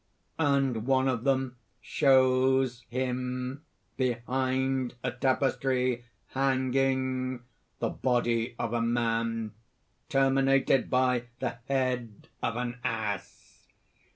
(_And one of them shows him, behind a tapestry hanging, the body of a man terminated by the head of an ass.